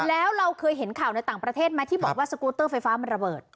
แล้วเราเคยเห็นข่าวในต่างประเทศไหมที่บอกว่าสกูตเตอร์ไฟฟ้ามันระเบิด